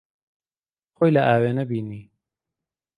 خۆی لە ئاوێنە بینی.